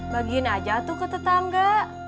bagiin aja tuh ke tetangga